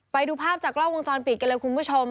ไปดูภาพจากกล้องวงจรปิดกันเลยคุณผู้ชม